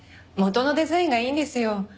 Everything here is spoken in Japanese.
元のデザインがいいんですよ。